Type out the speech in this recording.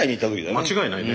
間違いないね。